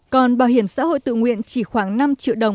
còn bảo hiểm xã hội tự nguyện chỉ khoảng năm triệu đồng